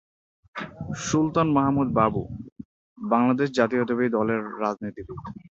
সুলতান মাহমুদ বাবু বাংলাদেশ জাতীয়তাবাদী দলের রাজনীতিবিদ।